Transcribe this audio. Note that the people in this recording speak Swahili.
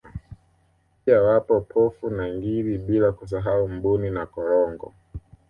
Pia wapo Pofu na Ngiri bila kusahau Mbuni na Korongo